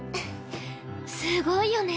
すごいよね。